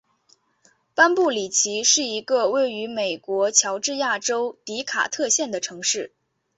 班布里奇是一个位于美国乔治亚州迪卡特县的城市。